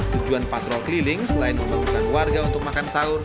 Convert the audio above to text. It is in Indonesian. tujuan patrol keliling selain memerlukan warga untuk makan sahur